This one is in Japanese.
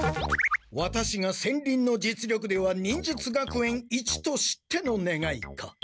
ワタシが戦輪の実力では忍術学園一と知ってのねがいか？